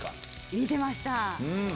見てました。